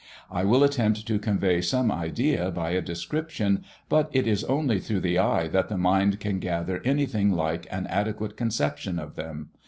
I will attempt to convey some idea by a description, but it is only through the eye that the mind can gather anything like an adequate conception of them....